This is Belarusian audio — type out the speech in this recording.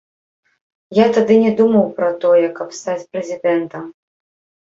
Я тады не думаў пра тое, каб стаць прэзідэнтам.